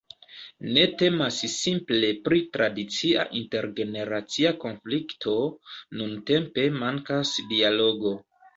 Ne temas simple pri tradicia intergeneracia konflikto: nuntempe mankas dialogo.